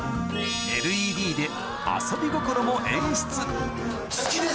ＬＥＤで遊び心も演出好きです